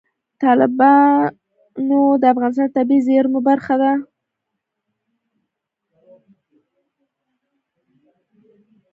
تالابونه د افغانستان د طبیعي زیرمو برخه ده.